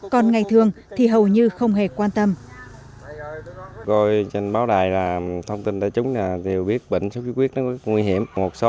còn ngày thường thì hầu như không hề quan tâm